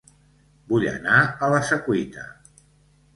Vull anar a La Secuita